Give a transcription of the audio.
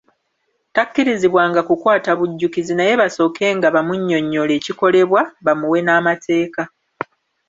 Takkirizibwanga kukwata bujjukizi naye basookenga bamunnyonnyole ekikolebwa, bamuwe n'amateeka.